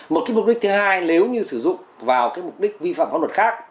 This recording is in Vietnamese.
một cái mục đích thứ hai nếu như sử dụng vào cái mục đích vi phạm pháp luật khác